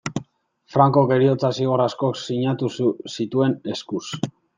Francok heriotza-zigor asko sinatu zituen, eskuz.